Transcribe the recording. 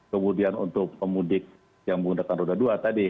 kemudian untuk pemudik yang menggunakan roda dua tadi